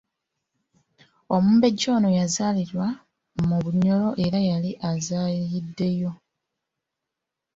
Omumbejja ono yazaalirwa mu Bunyoro era nga yali azaayiddeyo.